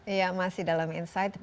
ya masih dalam insight